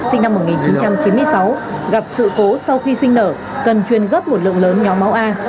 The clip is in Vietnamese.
sinh năm một nghìn chín trăm chín mươi sáu gặp sự cố sau khi sinh nở cần truyền gấp một lượng lớn nhóm máu a